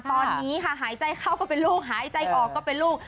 ตอนนี้ค่ะหายใจเข้าก็เป็นลูกหายใจออกก็เป็นลูก